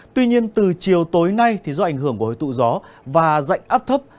tuy nhiên từ chiều tối nay thì do ảnh hưởng của hơi tụ gió và dạnh áp thấp